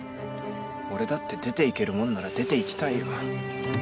俺だって出ていけるもんなら出ていきたいよ。